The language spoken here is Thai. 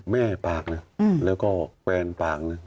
แม่ปากเนี่ยแล้วก็แวนปากเนี่ย